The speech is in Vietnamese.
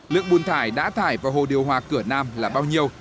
lượng bùn thải đã thải vào hồ điều hòa cửa nam là bao nhiêu